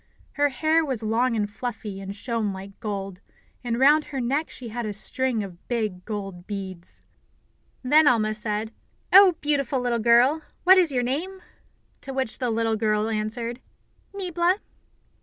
Her hair was long and fluffy, and shone like gold, and round her neck she had a string of big, gold beads. Then Alma said, "Oh, beautiful little girl, what is your name?" To which the little girl answered: "Niebla."